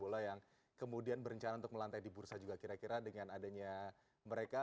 sudah ada beberapa klub sepak bola yang kemudian berencana untuk melantai di bursa juga kira kira dengan adanya mereka